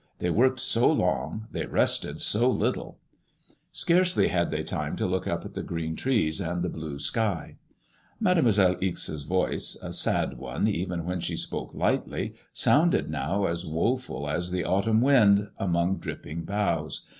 They worked so long; they rested so little. 90 MADEMOISELLB IXK. Scarcely had they time to look up at the green trees and the blue sky." Mademoiselle Ixe*8 voices a sad one even when she spoke lightly, sounded now as woeful as the autumn wind among dripping boughs. Mrs.